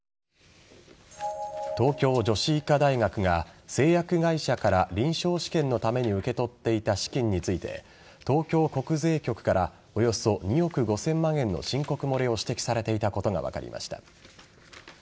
東京女子医科大学が製薬会社から臨床試験のために受け取っていた資金について東京国税局からおよそ２億５０００万円の申告漏れを指摘されていたことが分かりました。